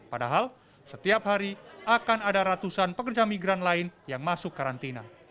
padahal setiap hari akan ada ratusan pekerja migran lain yang masuk karantina